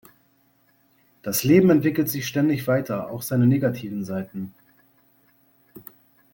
Das Leben entwickelt sich ständig weiter auch seine negativen Seiten.